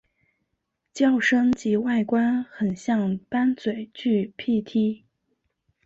叫声及外观很像斑嘴巨䴙䴘。